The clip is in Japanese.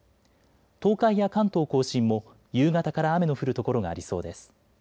東海や関東甲信も夕方から雨の降る所がありそうです。